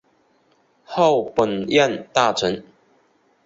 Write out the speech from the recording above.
号本院大臣。